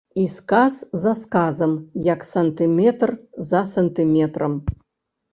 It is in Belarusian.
І сказ за сказам, як сантыметр за сантыметрам.